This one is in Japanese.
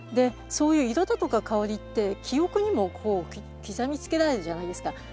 そういう色だとか香りって記憶にも刻みつけられるじゃないですか。